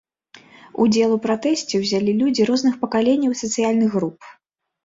Удзел у пратэсце ўзялі людзі розных пакаленняў і сацыяльных груп.